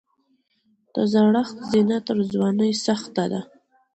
د زړښت زینه تر ځوانۍ سخته ده.